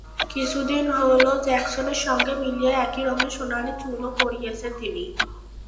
কিছুদিন হলো জ্যাক্সনের সঙ্গে মিলিয়ে একই রঙের সোনালি চুলও করিয়েছেন তিনি।